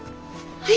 はい。